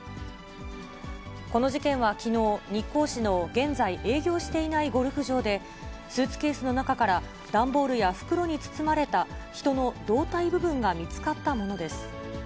この事件はきのう、日光市の現在営業していないゴルフ場で、スーツケースの中から段ボールや袋に包まれた人の胴体部分が見つかったものです。